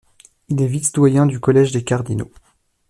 Il est vice-doyen du Collège des cardinaux.